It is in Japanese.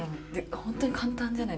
本当に簡単じゃないですか？